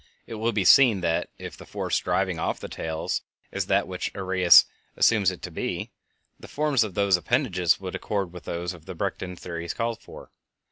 It will be seen that, if the force driving off the tails is that which Arrhenius assumes it to be, the forms of those appendages would accord with those that Bredichin's theory calls for.